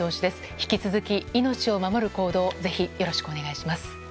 引き続き命を守る行動をぜひよろしくお願いします。